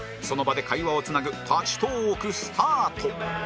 その場で会話をつなぐ立ちトーークスタート